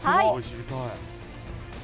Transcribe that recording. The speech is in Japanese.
知りたい。